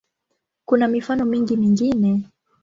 Kuna mifano mingi mingine.